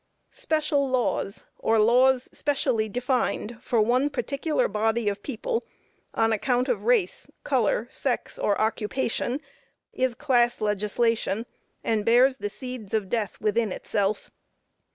Special laws, or laws specially defined for one particular body of people, on account of race, color, sex, or occupation, is class legislation, and bears the seeds of death within itself.